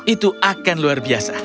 itu akan luar biasa